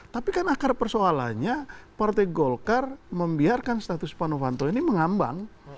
tapi kan akar persoalannya partai golkar membiarkan status pak novanto ini mengambang